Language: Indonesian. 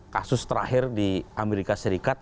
kasus terakhir di amerika serikat